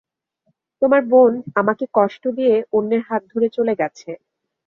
তোর বোন আমাকে কষ্ট দিয়ে অন্যের হাত ধরে চলে গেছে।